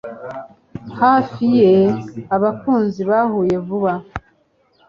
Hafi ye abakunzi bahuye vuba